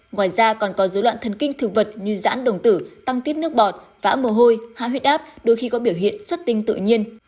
ngoài ra còn có dối loạn thần kinh thực vật như giãn đồng tử tăng tiếp nước bọt vã mồ hôi há huyết áp đôi khi có biểu hiện xuất tinh tự nhiên